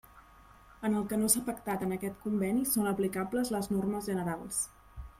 En el que no s'ha pactat en aquest conveni són aplicables les normes generals.